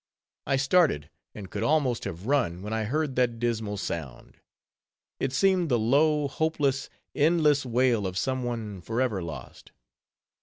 I started, and could almost have run, when I heard that dismal sound. It seemed the low, hopeless, endless wail of some one forever lost.